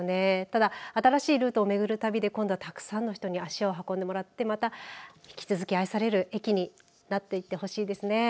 ただ新しいルートを巡る旅で今度は、たくさんの人に足を運んでもらってまた引き続き愛される駅になっていってほしいですね。